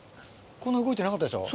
こんな動いてなかったでしょ？